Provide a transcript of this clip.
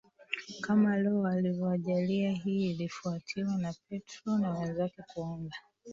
kama Roho alivyowajalia Hii ilifuatiwa na Petro na wenzake kuanza